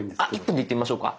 １分でいってみましょうか。